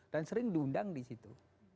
dan sering diundang di situ